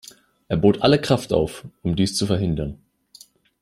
Er bot alle Kraft auf, um dies zu verhindern.